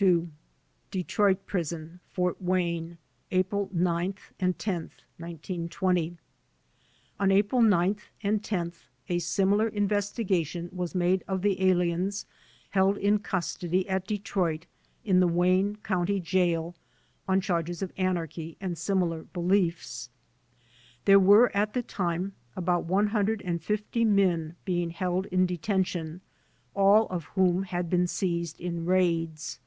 II. Detroit Prison (Fort Wayne), April 9 10, 1920 On April 9 and 10 a similar investigation was made of the aliens held in custody at Detroit in the Wayne County Jail on charges of anarchy and similar beliefs. There were at the time about 150 men being held in de tention, all of whom had been seized in raids.